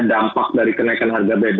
dampak dari kenaikan harga bbm